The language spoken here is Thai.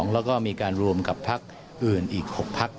แล้วก็มีการรวมกับพักอื่นอีก๖พัก